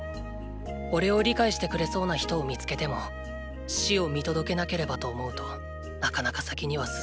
おれを理解してくれそうな人を見つけても死を見届けなければと思うとなかなか先には進めない。